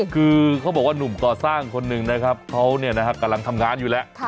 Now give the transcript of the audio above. คือเขาบอกว่าหนุ่มก่อสร้างคนหนึ่งนะครับเขากำลังทำงานอยู่แล้ว